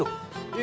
え